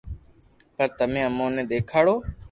پر تمي امو ني ديکاڙو